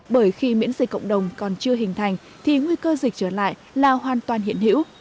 bởi khi miễn dịch cộng đồng còn chưa hình thành thì nguy cơ dịch trở lại là hoàn toàn hiện hữu